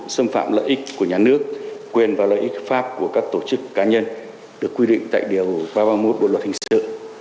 xâm phạm lợi ích của nhà nước quyền và lợi ích hợp pháp của các tổ chức cá nhân được quy định tại điều ba trăm ba mươi một bộ luật hình sự